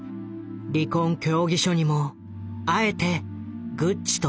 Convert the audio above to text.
離婚協議書にもあえて「グッチ」とサインしている。